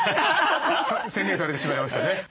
宣言されてしまいましたね。